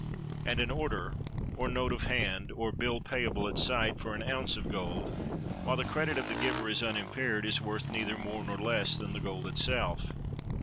And an order, or note of hand, or bill payable at sight, for an ounce of gold, while the credit of the giver is unimpaired, is worth neither more nor less than the gold itself.